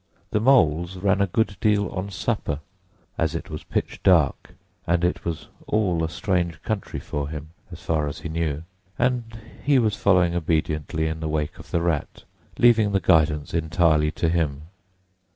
The Mole's ran a good deal on supper, as it was pitch dark, and it was all a strange country for him as far as he knew, and he was following obediently in the wake of the Rat, leaving the guidance entirely to him.